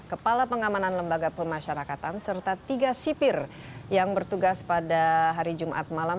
kepala pengamanan lembaga pemasyarakatan serta tiga sipir yang bertugas pada hari jumat malam